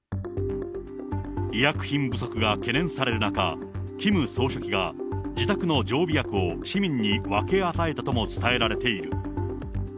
医薬品不足が懸念される中、キム総書記が自宅の常備薬を市民に分け与えたとも伝えられている。